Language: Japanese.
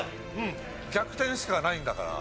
逆転しかないんだから。